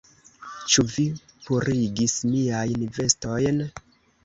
Ĉu vi purigis miajn vestojn?